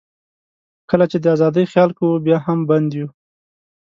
کله چې د آزادۍ خیال کوو، بیا هم بند یو.